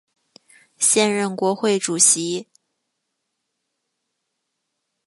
现任国会主席。